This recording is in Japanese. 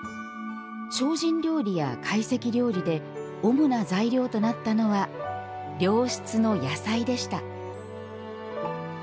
精進料理や懐石料理で主な材料となったのは良質の野菜でした。